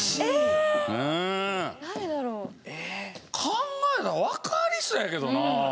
考えたらわかりそうやけどな。